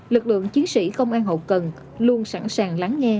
lực lượng chiến sĩ công an hậu cần luôn sẵn sàng lắng nghe